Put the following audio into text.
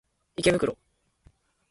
池袋